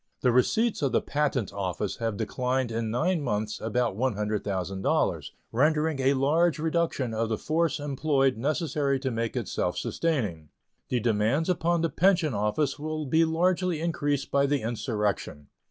The receipts of the Patent Office have declined in nine months about $100,000, rendering a large reduction of the force employed necessary to make it self sustaining. The demands upon the Pension Office will be largely increased by the insurrection.